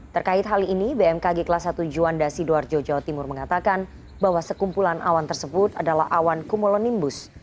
terkait hal ini bmkg kelas satu juanda sidoarjo jawa timur mengatakan bahwa sekumpulan awan tersebut adalah awan kumulonimbus